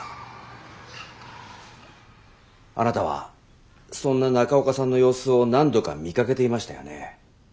あなたはそんな中岡さんの様子を何度か見かけていましたよね？